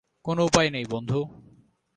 কোনো উপায় নেই, বন্ধু।